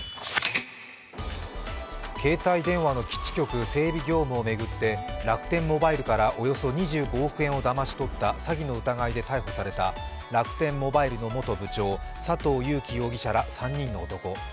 携帯電話の基地局整備業務を巡って楽天モバイルからおよそ２５億円をだまし取った詐欺の疑いで逮捕された楽天モバイルの元部長、佐藤友紀容疑者ら３人の男。